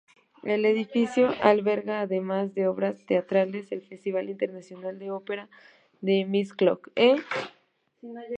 El edificio alberga, además de obras teatrales, el Festival Internacional de Ópera de Miskolc.